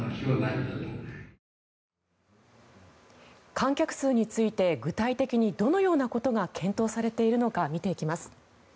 観客数について具体的にどのようなことが検討されているのか見ていきます。